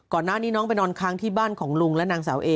ก่อนหน้านี้น้องไปนอนค้างที่บ้านของลุงและนางสาวเอ